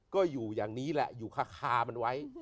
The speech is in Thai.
ก็อยู่อย่างนี้แหละอยู่คามันไว้